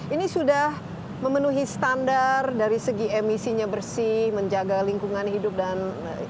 ini sudah memenuhi standar dari segi emisinya bersih menjaga lingkungan hidup dan